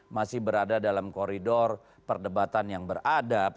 masih berada dalam koridor perdebatan yang beradab